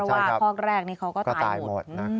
เพราะว่าพอกแรกนี่เขาก็ตายหมด